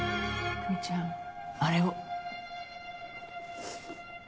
久実ちゃんあれを。